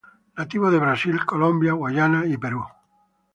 Nativo de Brasil, Colombia, Guyana y Perú.